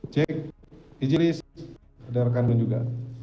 cik di majelis ada rekan rekan juga